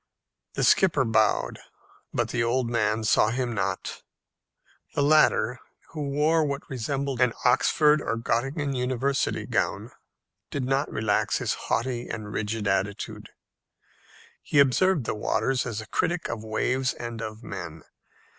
The skipper bowed, but the old man saw him not. The latter, who wore what resembled an Oxford or Gottingen university gown, did not relax his haughty and rigid attitude. He observed the waters as a critic of waves and of men.